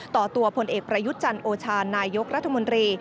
ต่อตัวผลเอกประยุทธ์จันทร์โอชานายกรัฐมนตรี